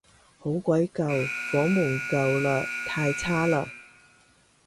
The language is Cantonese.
好鬼舊，房門舊嘞，太差嘞